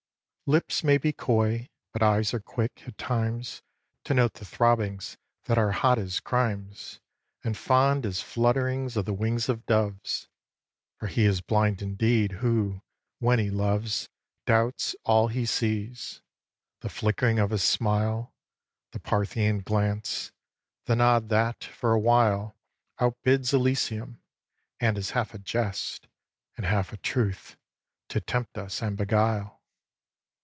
xix. Lips may be coy; but eyes are quick, at times, To note the throbbings that are hot as crimes, And fond as flutterings of the wings of doves. For he is blind indeed who, when he loves, Doubts all he sees: the flickering of a smile, The Parthian glance, the nod that, for a while, Outbids Elysium, and is half a jest, And half a truth, to tempt us and beguile.